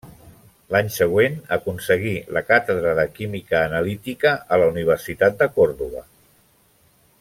L'any següent aconseguí la càtedra de química analítica a la Universitat de Còrdova.